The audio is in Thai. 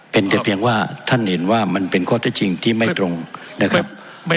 เป็นแต่เพียงว่าท่านเห็นว่ามันเป็นข้อเท็จจริงที่ไม่ตรงนะครับ